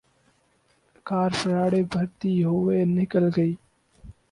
کار فراٹے بھرتی ہوئے نکل گئی۔